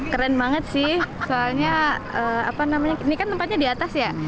keren banget sih soalnya ini kan tempatnya di atas ya